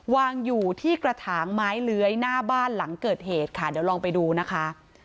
วางอยู่ที่กระถางไม้เลื้อยหน้าบ้านหลังเกิดเหตุค่ะเดี๋ยวลองไปดูนะคะ